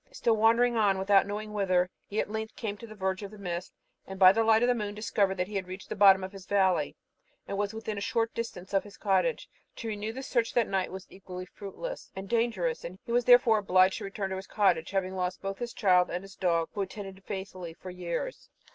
Still wandering on without knowing whither, he at length came to the verge of the mist, and, by the light of the moon, discovered that he had reached the bottom of his valley, and was within a short distance of his cottage. To renew the search that night was equally fruitless and dangerous. He was, therefore, obliged to return to his cottage, having lost both his child and his dog, who had attended him faithfully for years.